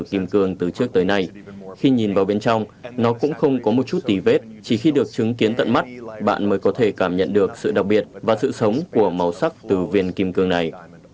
khi nhìn vào bên trong nó cũng không có một chút tí vết chỉ khi được chứng kiến tận mắt bạn mới có thể cảm nhận được sự đặc biệt và sự sống của màu sắc từ viên kim cương này